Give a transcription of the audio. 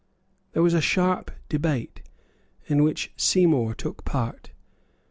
There was a sharp debate, in which Seymour took part.